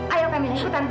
ayo kamilah ikut tante